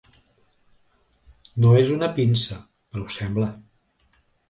No és una pinça, però ho sembla.